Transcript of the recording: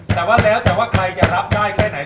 แต่ว่าแล้วแต่ว่าใครจะรับได้แค่ไหน